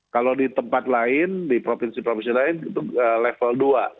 kalau di tempat lain di provinsi provinsi lain itu level dua